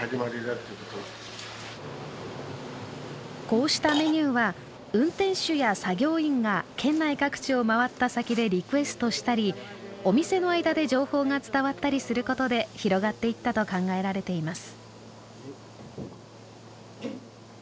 こうしたメニューは運転手や作業員が県内各地を回った先でリクエストしたりお店の間で情報が伝わったりすることで広がっていったと考えられています。